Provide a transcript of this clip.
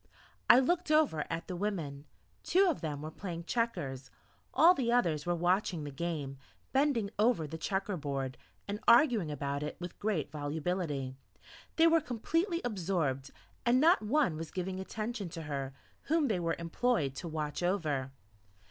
I looked over at the women. Two of them were playing checkers; all the others were watching the game, bending over the checker board, and arguing about it with great volubility; they were completely absorbed, and not one was giving attention to her whom they were employed to watch over.